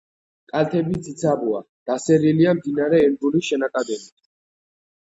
კალთები ციცაბოა, დასერილია მდინარე ენგურის შენაკადებით.